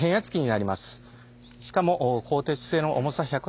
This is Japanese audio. しかも鋼鉄製の重さ１８０トン